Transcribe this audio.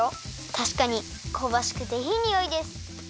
たしかにこうばしくていいにおいです！